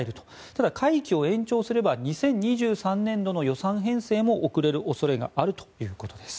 ただ会期を延長すれば２０２３年度の予算編成も遅れる恐れがあるということです。